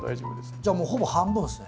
じゃあもうほぼ半分ですね。